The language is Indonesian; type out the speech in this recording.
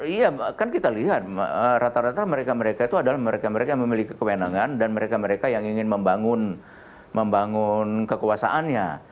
iya kan kita lihat rata rata mereka mereka itu adalah mereka mereka yang memiliki kewenangan dan mereka mereka yang ingin membangun kekuasaannya